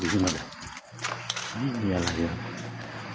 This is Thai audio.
ดูดูซิมาดิอีกมีอะไรอย่าง